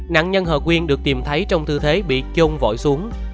nạn nhân hợp quyền được tìm thấy trong thư thế bị chôn vội xuống